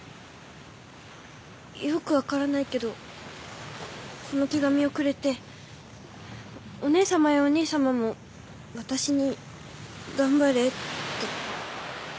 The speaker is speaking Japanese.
よく分からないけどこの手紙をくれてお姉さまやお兄さまも私に頑張れと。